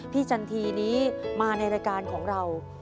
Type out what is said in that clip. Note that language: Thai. จันทีนี้มาในรายการของเรา